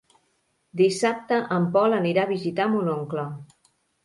Dissabte en Pol anirà a visitar mon oncle.